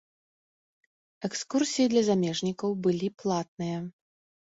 Экскурсіі для замежнікаў былі платныя.